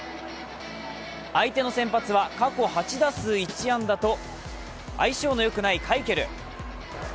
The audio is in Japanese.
相手の先発は過去８打数１安打と相性のよくないカイケル。